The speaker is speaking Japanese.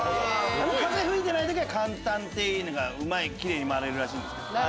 風吹いてない時は簡単ってキレイに回れるらしいんですけど。